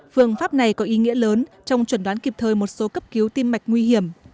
phương pháp này có ý nghĩa lớn trong chuẩn đoán kịp thời một số cấp cứu tim mạch nguy hiểm